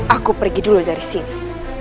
aku pergi dulu dari sini